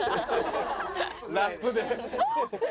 ラップで。